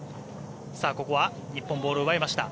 ここは日本、ボールを奪いました。